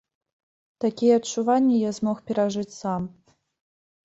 Такія адчуванні я змог перажыць сам.